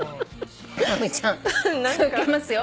直美ちゃん続けますよ。